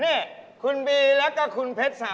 นี่คุณบีและคุณเพชรสหรัฐครับ